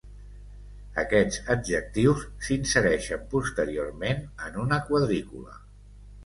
Aquests adjectius s"insereixen posteriorment en una quadrícula.